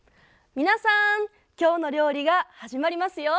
皆さん「きょうの料理」が始まりますよ。